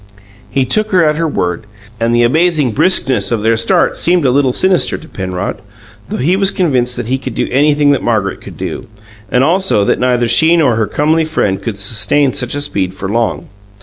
He took her at her word, and the amazing briskness of their start seemed a little sinister to Penrod, though he was convinced that he could do anything that Margaret could do, and also that neither she nor her comely friend could sustain such a speed for long.